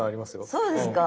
そうですか？